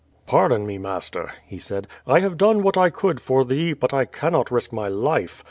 "Pardon me, master," he said; "I have done what I could for thee, but I cannot risk my life.